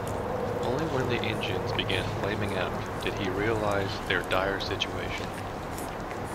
Only when the engines began flaming out did he realize their dire situation.